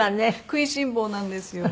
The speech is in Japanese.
食いしん坊なんですよ。